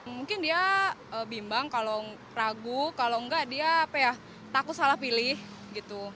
mungkin dia bimbang kalau ragu kalau enggak dia takut salah pilih gitu